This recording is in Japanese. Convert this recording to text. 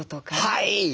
はい！